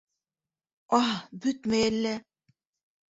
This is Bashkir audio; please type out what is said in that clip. Аһ, бөтмәй әллә...